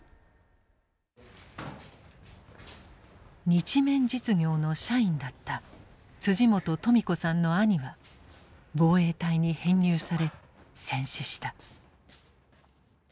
日綿実業の社員だった本富子さんの兄は防衛隊に編入され戦死した。